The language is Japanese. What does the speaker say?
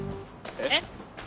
えっ？